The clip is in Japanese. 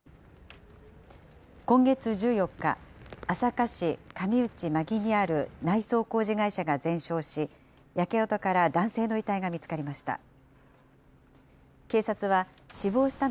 今月１４日、朝霞市上内間木にある内装工事会社が全焼し、焼け跡から男性の遺体が見つかりました。